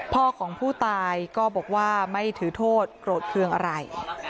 พ่อของผู้ตายก็บอกว่าไม่ถือโทษโกรธเครื่องอะไร